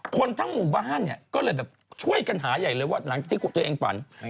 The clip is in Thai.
คนทั้งหมู่บ้านก็เลยแบบช่วยกันหาที่อย่างที่เห็น